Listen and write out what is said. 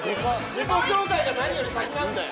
自己紹介が何より先なんだよ！